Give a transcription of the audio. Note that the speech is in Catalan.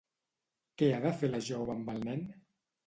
Què ha de fer la jove amb el nen?